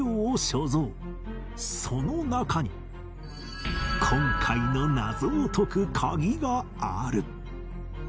その中に今回の謎を解く鍵がある